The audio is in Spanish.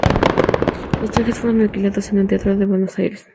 Los trajes fueron alquilados en un teatro en Buenos Aires.